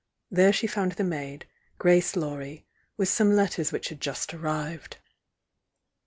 There she found the maid, Grace Laurie, with some letters which had just arrived.